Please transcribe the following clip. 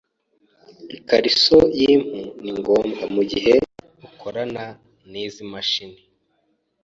Ikariso yimpu ni ngombwa mugihe ukorana nizi mashini.